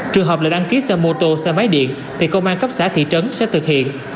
trường hợp là đăng ký xe mô tô xe máy điện thì công an cấp xã thị trấn sẽ thực hiện